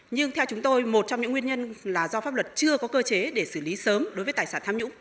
nhưng theo chúng tôi một trong những nguyên nhân là do pháp luật chưa có cơ chế để xử lý sớm đối với tài sản tham nhũng